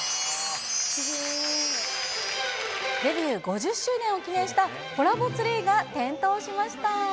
デビュー５０周年を記念したコラボツリーが点灯しました。